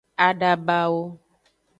Adabawo.